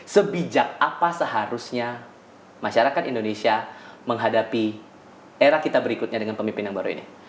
sebijak apa seharusnya masyarakat indonesia menghadapi era kita berikutnya dengan pemimpin yang baru ini